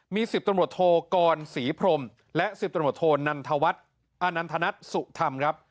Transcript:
มี๑๐ตำรวจโทกรศรีพรมและ๑๐ตำรวจโทนันทวัฒน์อานันทนัทสุธรรมครับ